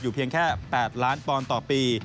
อยู่เพียงแค่๘๐๐๐๐๐๐ปอนต่อปี